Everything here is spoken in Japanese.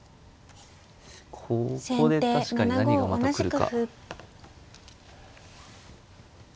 ここで確かに何がまた来るか。